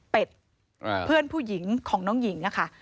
เพื่อนผู้หญิงของน้องหญิงอะค่ะ